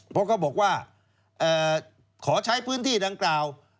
เพราะเขาบอกว่าขอใช้พื้นที่ดังกล่าว